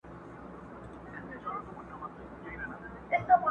اشنا مي پاته په وطن سو.!